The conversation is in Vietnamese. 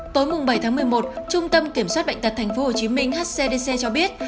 tối bảy tháng một mươi một trung tâm kiểm soát bệnh tật tp hcm hcdc cho biết